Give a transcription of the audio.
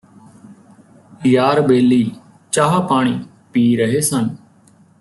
ਯਾਰ ਬੇਲੀ ਚਾਹ ਪਾਣੀ ਪੀ ਰਹੇ ਸਨ